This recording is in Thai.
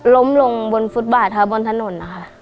ล้มลงบนฟุตบาร์ตบนถนน